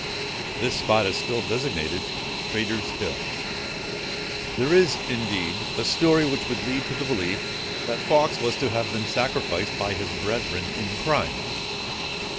This spot is still designated Traitors' Hill. There is, indeed, a story, which would lead to the belief, that Fawkes was to have been sacrificed by his brethren in crime.